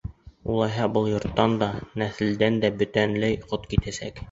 Улайһа, был йорттан да, нәҫелдән дә бөтөнләй ҡот китәсәк.